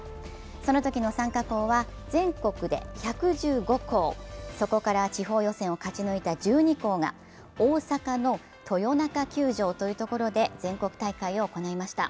そのときの参加校は全国で１１５校、そこから地方予選を勝ち抜いた１２校が大阪の豊中球場で全国大会を行いました。